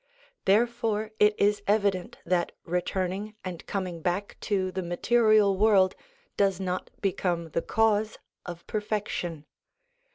Therefore it is evident that returning and coming back to the material world does not become the cause of perfection.